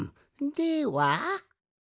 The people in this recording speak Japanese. では。